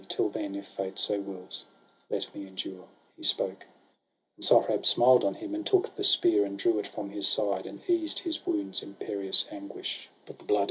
Till then, if fate so wills, let me endure.' He spoke; and Sohrab smiled on him, and took The spear, and drew it from his side, and eased His wound's imperious anguish; but the blood 120 SOHRAB AND RUSTUM.